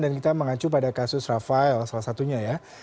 dan kita mengacu pada kasus rafael salah satunya ya